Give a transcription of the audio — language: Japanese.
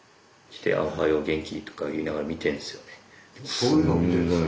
そういうのを見てるんですか？